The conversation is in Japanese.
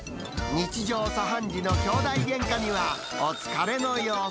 日常茶飯事のきょうだいげんかにはお疲れの様子。